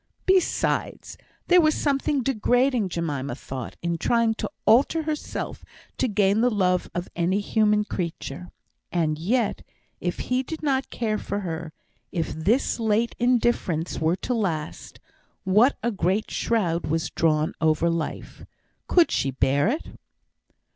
Besides, there was something degrading, Jemima thought, in trying to alter herself to gain the love of any human creature. And yet, if he did not care for her, if this late indifference were to last, what a great shroud was drawn over life! Could she bear it?